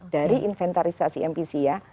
dari inventarisasi mpc ya